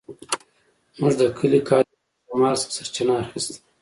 زموږ د کلي کاریز له شمال څخه سرچينه اخيسته.